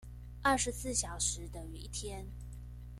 二十四小時等於一天